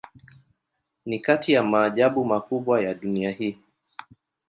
Ni kati ya maajabu makubwa ya dunia hii.